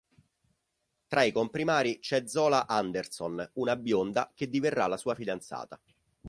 Tra i comprimari c'è Zola Anderson, una bionda che diverrà la sua fidanzata.